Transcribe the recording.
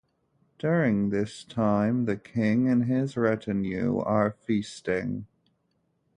During this time the king and his retinue are feasting.